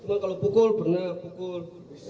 cuma kalau pukul pernah pukul